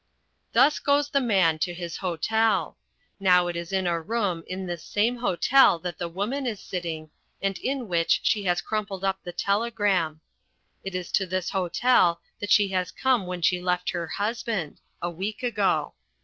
Thus goes The Man to his hotel. Now it is in a room in this same hotel that The Woman is sitting, and in which she has crumpled up the telegram. It is to this hotel that she has come when she left her husband, a week ago.